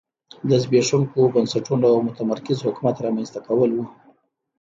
د زبېښونکو بنسټونو او متمرکز حکومت رامنځته کول و